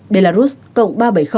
belarus cộng ba trăm bảy mươi